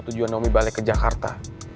tujuan nomi balik ke jakarta